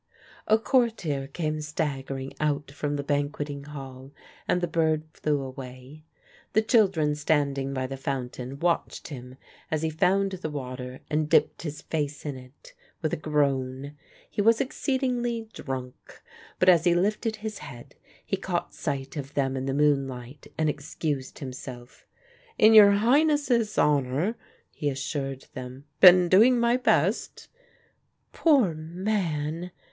A courtier came staggering out from the banqueting hall, and the bird flew away. The children standing by the fountain watched him as he found the water and dipped his face in it, with a groan. He was exceedingly drunk; but as he lifted his head he caught sight of them in the moonlight and excused himself. "In your Highnesses' honour," he assured them: "'been doing my best." "Poor man!"